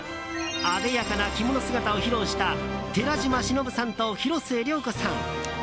あでやかな着物姿を披露した寺島しのぶさんと広末涼子さん。